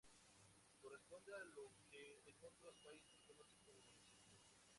Corresponde a lo que en otros países se conoce como municipio.